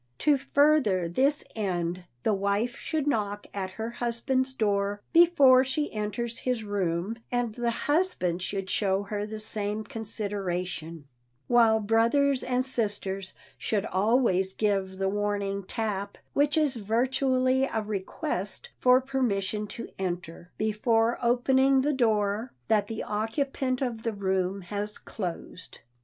To further this end the wife should knock at her husband's door before she enters his room, and the husband should show her the same consideration, while brothers and sisters should always give the warning tap, which is virtually a request for permission to enter, before opening the door that the occupant of the room has closed.